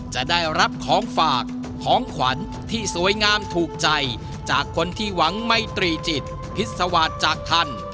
จะได้รับของฝากของขวัญที่สวยงามถูกใจจากคนที่หวังไมตรีจิตพิษวาสจากท่าน